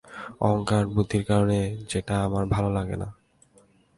অহংকার, বুদ্ধির কারণে, যেটা আমার ভাল লাগেনি।